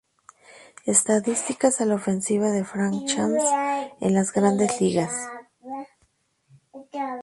Estadísticas a la ofensiva de Frank Chance en las Grandes Ligas.